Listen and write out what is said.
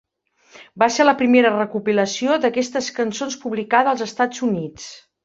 Va ser la primera recopilació d'aquestes cançons publicada als Estats Units.